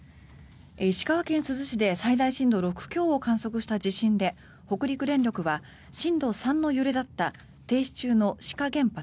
石川県珠洲市で最大震度６強を観測した地震で北陸電力は震度３の揺れだった停止中の志賀原発